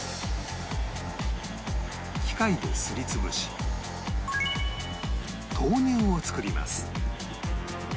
機械ですり潰し豆乳を作ります